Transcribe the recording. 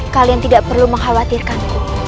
kalian tidak perlu mengkhawatirkan